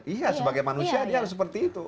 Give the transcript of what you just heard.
iya sebagai manusia dia harus seperti itu